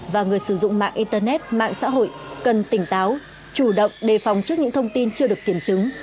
và người sử dụng mạng internet mạng xã hội cần tỉnh táo chủ động đề phòng trước những thông tin chưa được kiểm chứng